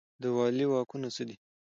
د والي واکونه څه دي؟